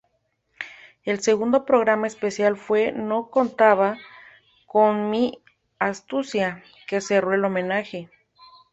El segundo programa especial fue ""No contaban con mi astucia"", que cerró el homenaje.